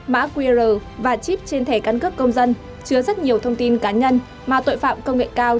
mã qr và chip trên thẻ căn cước công dân chứa rất nhiều thông tin cá nhân mà tội phạm công nghệ cao